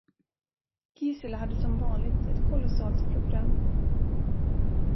Gisela hade som vanligt ett kolossalt program.